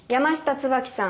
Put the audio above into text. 椿さん